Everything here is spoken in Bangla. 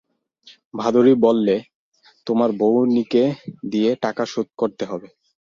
ভাদুড়ি বললে, তোর বউকে নিকে দিয়ে টাকা শোধ করতে হবে।